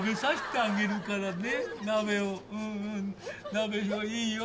鍋は熱いよ。